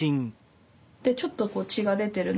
でちょっと血が出てる。